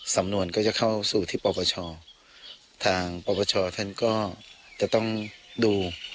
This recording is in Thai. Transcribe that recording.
สำนวนก็จะเข้าสู่ที่ปปชทางปปชท่านก็จะต้องดู